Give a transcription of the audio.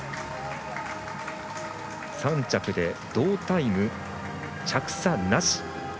３着で同タイム着差なし。